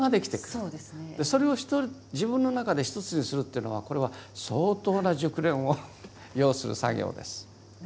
それを自分の中で一つにするっていうのはこれは相当な熟練を要する作業です。